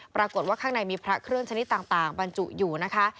ปรากฏว่าข้างในมีพระเครื่องชนิดต่างบรรจุอยู่นะคะ